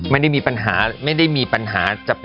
ไม่ได้มีปัญหาไม่ได้มีปัญหา